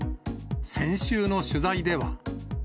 先週の取材では。